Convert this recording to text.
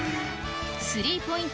スリーポイント